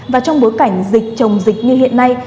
và trong bối cảnh dịch chồng dịch như hiện nay